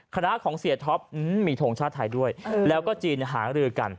คณะของเสียท็อปมีทงชาติไทยด้วยแล้วก็จีนหารือกัน